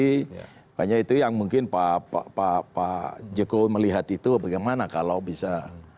makanya itu yang mungkin pak jokowi melihat itu bagaimana kalau bisa